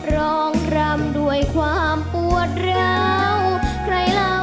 รองรำด้วยความปวดเหล้า